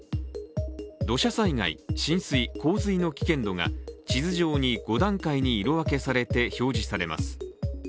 土砂災害、浸水・洪水の危険度が地図上に５段階に色分けされて表示されます。